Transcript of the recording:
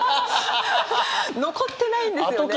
残ってないんですよね。